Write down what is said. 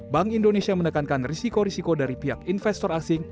bank indonesia menekankan risiko risiko dari pihak investor asing